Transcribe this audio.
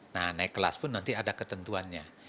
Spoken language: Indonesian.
nah naik kelas pun nanti ada ketentuannya